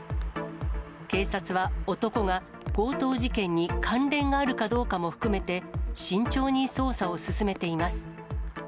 警察は男が強盗事件に関連があるかどうかも含めて慎重に捜査を進めています。